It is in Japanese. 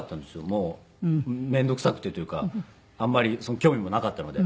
もうめんどくさくてというかあんまり興味もなかったので。